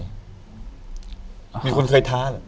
มีคนเคยท้าเหรอ